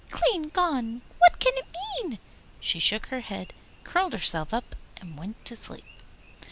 Cleangone! What can it mean?' She shook her head, curled herself up, and went to sleep.